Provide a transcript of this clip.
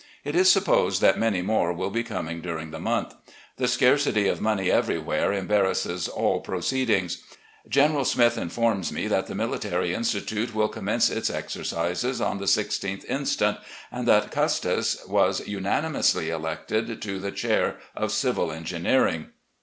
It is supposed that many more will be coming during the month. The scarcity of money everywhere embar rasses all proceedings. General Smith informs me that the Military Institute will commence its exercises on the 1 6th inst. ; and that Custis w'as unanimously elected to the chair of Civil Engineering.!